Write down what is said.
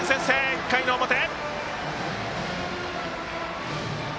１回の表！